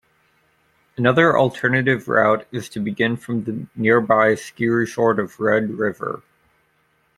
Another alternate route is to begin from the nearby ski resort of Red River.